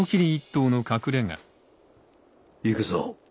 行くぞ。